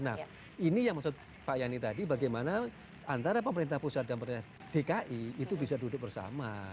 nah ini yang maksud pak yani tadi bagaimana antara pemerintah pusat dan dki itu bisa duduk bersama